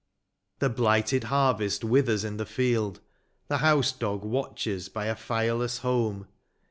The blighted harvest withers in the field. The house dog watches by a fireless home.